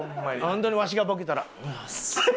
ホントにわしがボケたら。